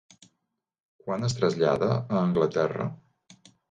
Quan es trasllada a Anglaterra?